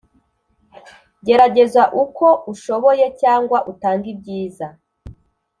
gerageza uko ushoboye cyangwa utange ibyiza.